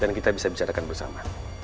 dan kita bisa bicarakan bersama